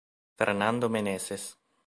Fernando Meneses